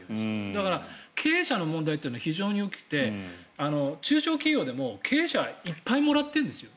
だから経営者の問題というのは非常に大きくて中小企業でも経営者はいっぱいもらってるんですよ。